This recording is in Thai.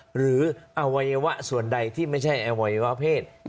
หรืออวัยวะส่วนใดที่ไม่ใช่อวัยวะเพศ